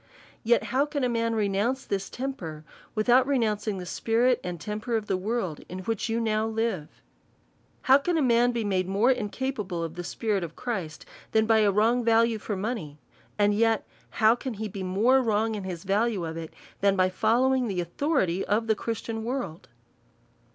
Yet.how can a man renounce this temper, without renouncing the spirit and temper of the world, in which you now live ? How can a man be made more incapable of the spi rit of Christ, tlmn by a wrong value for money ; and yet how can he be more wrong in his value of it, than by following the authority of the Christian world?